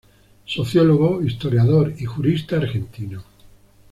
Sociólogo, historiador y jurista argentino.